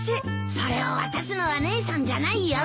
それを渡すのは姉さんじゃないよ。